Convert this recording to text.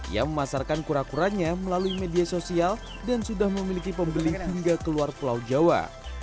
ia memasarkan kura kuranya melalui media sosial dan sudah memiliki pembeli hingga keluar pulau jawa